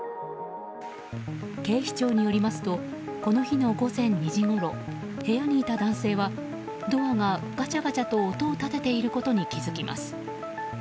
警視庁によりますとこの日の午前２時ごろ部屋にいた男性はドアがガチャガチャと音を立てていることに気づきます。